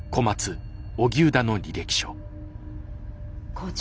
校長